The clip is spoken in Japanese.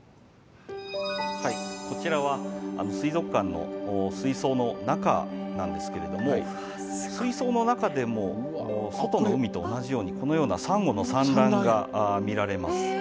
こちらは水族館の水槽の中なんですけれども水槽の中でも外の海と同じようにこのようなサンゴの産卵が見られます。